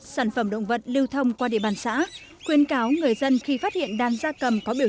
sản phẩm động vật lưu thông qua địa bàn xã khuyên cáo người dân khi phát hiện đàn gia cầm có biểu